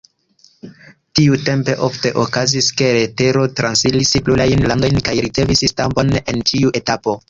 Tiutempe ofte okazis, ke letero transiris plurajn landojn kaj ricevis stampon en ĉiu etapo.